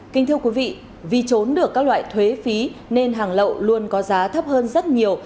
kính thưa quý vị vì trốn được các loại thuế phí nên hàng lậu luôn có giá thấp hơn rất nhiều